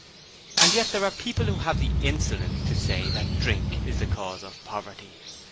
And yet there are people who have the insolence to say that Drink is the cause of poverty.